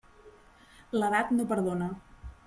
L'edat no perdona.